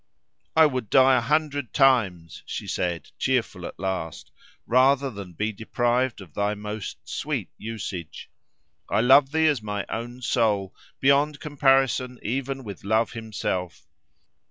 "I would die a hundred times," she said, cheerful at last, "rather than be deprived of thy most sweet usage. I love thee as my own soul, beyond comparison even with Love himself.